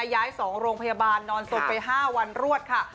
ย้าย๒โรงพยาบาลนอนศพไป๕วันรวดค่ะ